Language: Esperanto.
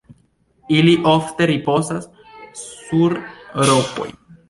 Ili ofte ripozas sur rokoj.